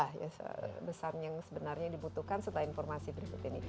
apa pesan yang sebenarnya dibutuhkan setelah informasi berikut ini